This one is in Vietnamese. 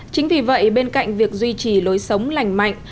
chính vì vậy bên cạnh việc duy trì lối sống lành mạnh